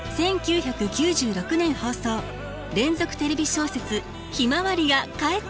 １９９６年放送連続テレビ小説「ひまわり」が帰ってくる。